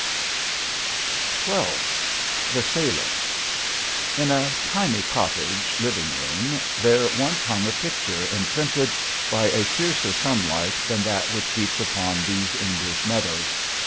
47 XII THE SAILOR In a tiny cottage living room there once hung a picture imprinted by a fiercer sunlight than that which beats upon these English meadows.